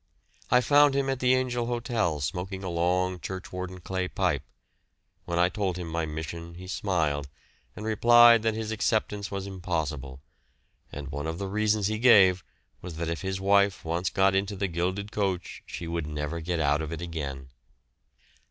I found him at the Angel Hotel smoking a long churchwarden clay pipe; when I told him my mission he smiled and replied that his acceptance was impossible, and one of the reasons he gave was that if his wife once got into the gilded coach she would never get out of it again.